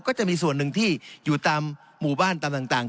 ก็จะมีส่วนหนึ่งที่อยู่ตามหมู่บ้านตามต่าง